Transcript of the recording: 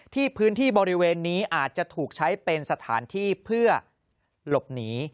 ที่พื้นที่บริเวณนี้อาจจะถูกใช้เป็นสถานที่เพื่อหลบหนี